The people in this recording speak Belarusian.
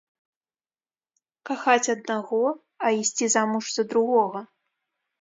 Кахаць аднаго, а ісці замуж за другога.